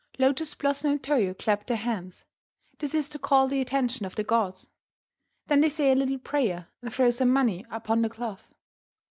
Lotus Blossom and Toyo clap their hands. This is to call the attention of the gods. Then they say a little prayer and throw some money upon the cloth.